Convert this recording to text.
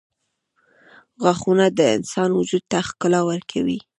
• غاښونه د انسان وجود ته ښکلا ورکوي.